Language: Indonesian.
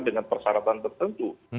dengan persyaratan tertentu